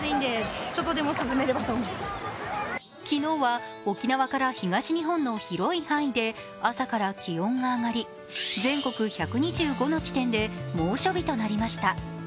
昨日は沖縄から東日本の広い範囲で朝から気温が上がり、全国１２５の地点で、猛暑日となりました。